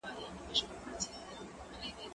دا شګه له هغه پاکه ده،